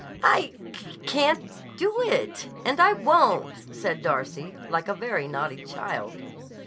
"I c c c can't do it and I won't!" said Darcy, like a very naughty child.